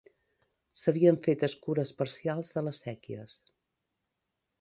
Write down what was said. S'havien fet escures parcials de les séquies.